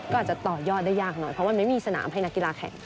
ก็อาจจะต่อยอดได้ยากหน่อยเพราะมันไม่มีสนามให้นักกีฬาแข่ง